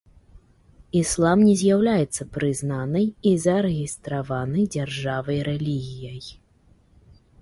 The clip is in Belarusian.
Іслам не з'яўляецца прызнанай і зарэгістраванай дзяржавай рэлігіяй.